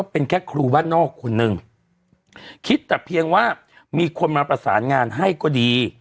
แต่เพียงว่ามีคนมาประสานงานให้ก็ดี